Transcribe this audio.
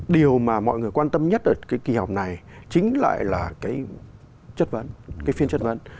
điều mà mọi người quan tâm nhất ở cái kỳ họp này chính lại là cái chất vấn cái phiên chất vấn